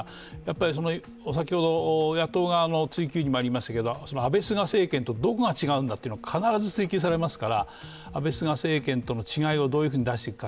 先ほど野党側の追及にもありましたけど、安倍・菅政権とどこが違うんだということを必ず追及されますから、違いをどういうふうに出していくのか